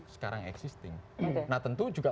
sekarang existing nah tentu juga